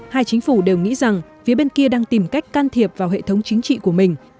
hai chính phủ đều nghĩ rằng phía bên kia đang tìm cách can thiệp vào hệ thống chính trị của mình